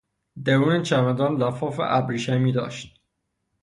درون چمدان لفاف ابریشمی داشت.